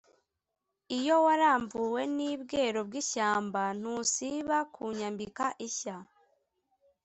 iyo waramvuwe ni bwero bw'ishyamba ntusiba kunyambika ishya,